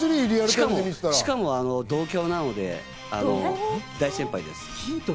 しかも同郷なので、大先輩です。